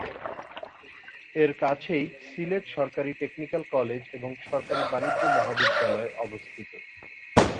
এর কাছেই সিলেট সরকারি টেকনিক্যাল কলেজ এবং সরকারি বাণিজ্য মহাবিদ্যালয় অবস্থিত।